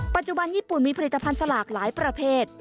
ปัจจุบันญี่ปุ่นมีผลิตภัณฑ์สลากหลายประเภท